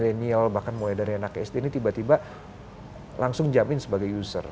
nah ini yang apa milenial bahkan mulai dari anak sd ini tiba tiba langsung jamin sebagai user